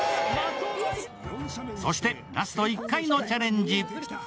そしてラスト１回のチャレンジ。